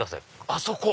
あそこ。